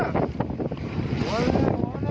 หัวเรือหัวเรือ